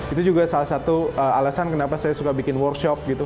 itu juga salah satu alasan kenapa saya suka bikin workshop gitu